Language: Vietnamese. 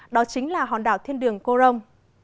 đó chính là hòn đảo thiên đường corom